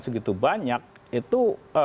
segitu banyak itu